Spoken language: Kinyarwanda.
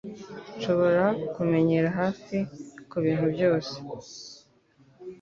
Nshobora kumenyera hafi kubintu byose